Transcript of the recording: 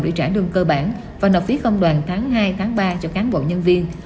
để trả lương cơ bản và nộp phí công đoàn tháng hai tháng ba cho cán bộ nhân viên